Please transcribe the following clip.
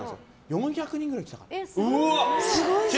４００人ぐらい来たんですよ。